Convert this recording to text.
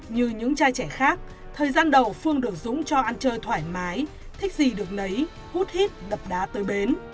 như những chai trẻ khác thời gian đầu phương được dũng cho ăn chơi thoải mái thích gì được nấy hút hít đập đá tới bến